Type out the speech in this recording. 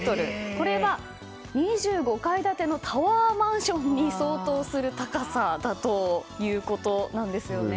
これは２５階建てのタワーマンションに相当する高さだということです。